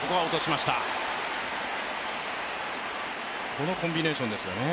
このコンビネーションですよね。